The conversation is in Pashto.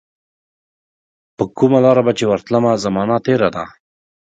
پرکومه لار به چي ورتلمه، زمانه تیره ده